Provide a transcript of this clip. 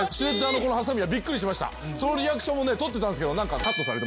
そのリアクションも撮ってたんですけど。